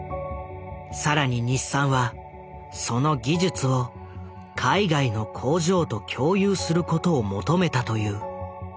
更に日産はその技術を海外の工場と共有することを求めたという。